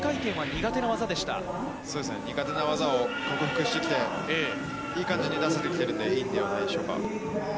苦手な技を克服してきていい感じに出せてきてるんで、いいんではないでしょうか。